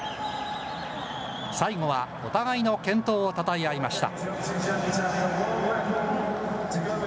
最後はお互いの健闘をたたえ合いました。